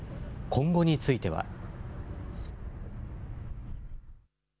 今後については。